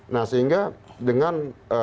nah sehingga dengan